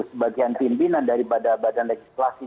sebagian pimpinan daripada badan legislasi